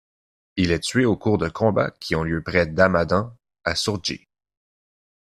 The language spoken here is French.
Il est tué au cours de combats qui ont lieu près d'Hamadan à Sourdji.